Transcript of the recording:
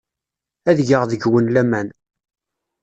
Ad geɣ deg-wen laman.